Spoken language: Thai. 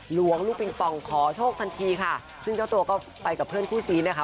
หลวงลูกปิงปองขอโชคทันทีค่ะซึ่งเจ้าตัวก็ไปกับเพื่อนคู่ซีนะคะ